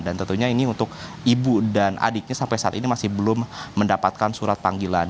dan tentunya ini untuk ibu dan adiknya sampai saat ini masih belum mendapatkan surat panggilan